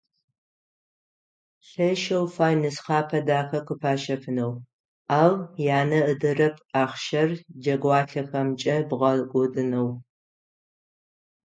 Лъэшэу фай нысхъапэ дахэ къыфащэфынэу, ау янэ ыдэрэп ахъщэр джэгуалъэхэмкӏэ бгъэкӏодынэу.